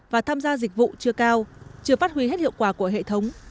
và tham gia dịch vụ chưa cao chưa phát huy hết hiệu quả của hệ thống